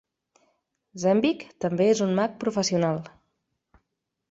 Zembic també és un mag professional.